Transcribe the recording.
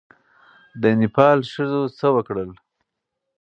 د نېپال ښځو څه وکړل؟